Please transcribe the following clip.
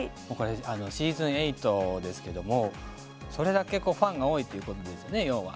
シーズン８ですけどもそれだけファンが多いということですよね、要は。